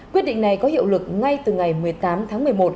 quyết định này có hiệu lực ngay từ ngày một mươi tám tháng một mươi một